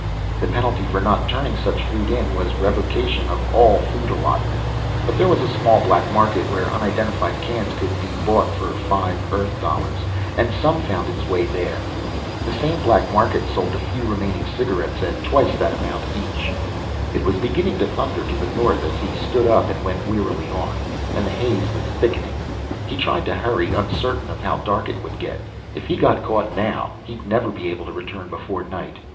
The penalty for not turning such food in was revocation of all food allotment, but there was a small black market where unidentified cans could be bought for five Earth dollars, and some found its way there. The same black market sold the few remaining cigarettes at twice that amount each. It was beginning to thunder to the north as he stood up and went wearily on, and the haze was thickening. He tried to hurry, uncertain of how dark it would get. If he got caught now, he'd never be able to return before night.